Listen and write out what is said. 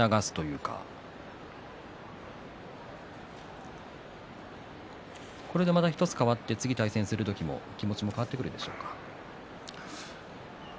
受け流すというかこれで、また変わって次、対戦する時も気持ちは変わってくるでしょうか？